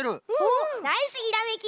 ナイスひらめき。